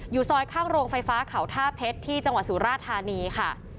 ซอยข้างโรงไฟฟ้าเขาท่าเพชรที่จังหวัดสุราธานีค่ะ